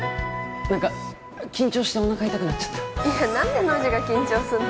何か緊張しておなか痛くなっちゃったいや何でノジが緊張すんの？